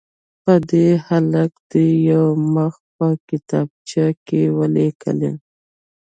په دې هکله دې یو مخ په کتابچه کې ولیکي.